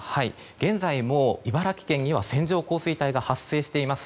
現在も茨城県には線状降水帯が発生しています。